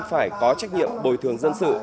phải có trách nhiệm bồi thường dân sự